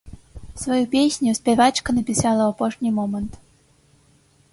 Сваю песню спявачка напісала ў апошні момант.